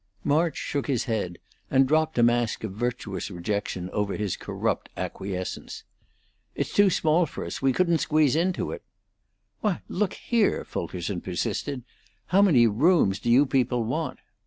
March shook his head, and dropped a mask of virtuous rejection over his corrupt acquiescence. "It's too small for us we couldn't squeeze into it." "Why, look here!" Fulkerson persisted. "How many rooms do you people want?"